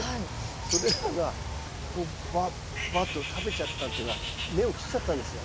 それらがこうバッバッと食べちゃったっていうか根を切っちゃったんですよ。